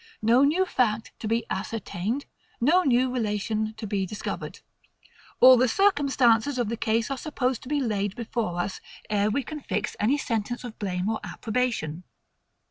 No new fact to be ascertained; no new relation to be discovered. All the circumstances of the case are supposed to be laid before us, ere we can fix any sentence of blame or approbation.